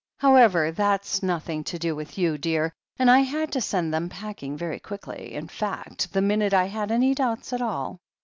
However, that's noth ing to do with you, dear, and I had to send them pack ing very quickly — in fact, the minute I had any doubts at all.